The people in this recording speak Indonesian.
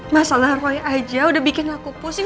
masalah roy aja udah bikin laku pusing